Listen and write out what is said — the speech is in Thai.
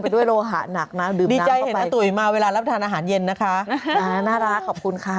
ดูโรหะหนักเข้าไว้ใช่ไหมในสมองอะค่ะ